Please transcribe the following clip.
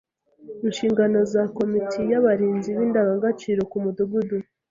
Inshingano za komite y’Abarinzi b’Indangagaciro ku Mudugudu